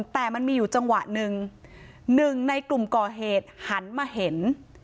แต่มันมีอยู่จังหวะหนึ่งหนึ่งในกลุ่มก่อเหตุหันมาเห็น